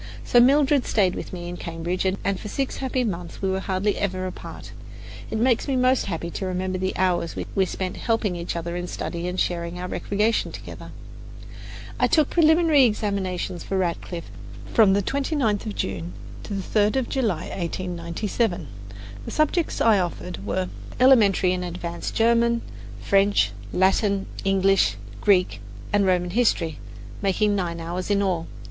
So Mildred stayed with me in Cambridge, and for six happy months we were hardly ever apart. It makes me most happy to remember the hours we spent helping each other in study and sharing our recreation together. I took my preliminary examinations for Radcliffe from the 29th of June to the 3rd of July in 1897. The subjects I offered were Elementary and Advanced German, French, Latin, English, and Greek and Roman history, making nine hours in all.